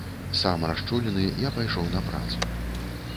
Сам расчулены я пайшоў на працу.